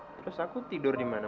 terus aku tidur di mana